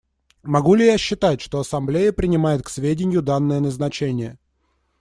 Могу ли я считать, что Ассамблея принимает к сведению данное назначение?